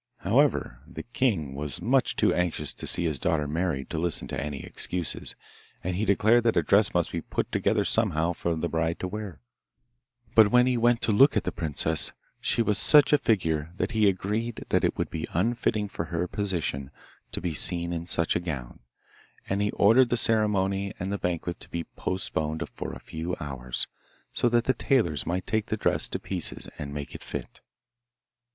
However, the king was much too anxious to see his daughter married to listen to any excuses, and he declared that a dress must be put together somehow for the bride to wear. But when he went to look at the princess, she was such a figure that he agreed that it would be unfitting for her position to be seen in such a gown, and he ordered the ceremony and the banquet to be postponed for a few hours, so that the tailors might take the dress to pieces and make it fit.